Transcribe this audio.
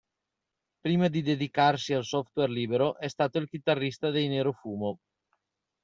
Prima di dedicarsi al software libero, è stato il chitarrista dei Nerofumo.